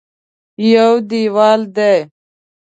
یو دېوال دی.